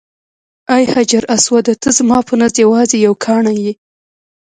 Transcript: ای حجر اسوده ته زما په نزد یوازې یو کاڼی یې.